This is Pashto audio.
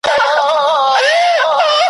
مساپري بده بلا ده ,